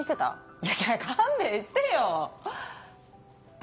いや勘弁してよ！